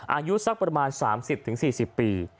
อายุสักประมาณ๓๐๔๐ปี